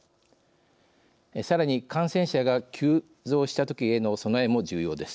さらに、感染者が急増したときへの備えも重要です。